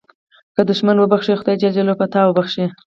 که دوښمن وبخښې، خدای جل جلاله به تا وبخښي.